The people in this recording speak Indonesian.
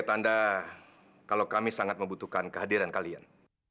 tanda kalau kami sangat membutuhkan kehadiran kalian